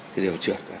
thì đều trượt